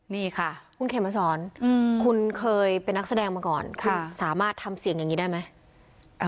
นี่ค่ะคุณเขมมาสอนคุณเคยเป็นนักแสดงมาก่อนคุณสามารถทำเสียงอย่างนี้ได้ไหม